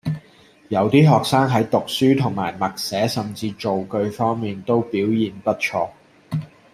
有啲學生喺讀書同埋默寫甚至造句方面都表現不錯